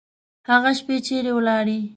هغه شپې چیري ولاړې؟